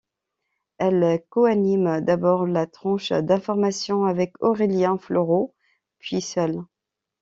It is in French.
Elle co-anime d'abord la tranche d'information avec Aurélien Fleurot puis seule.